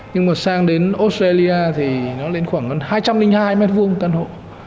nhưng mà sang đến australia thì nó lên khoảng hai trăm linh hai m hai một căn hộ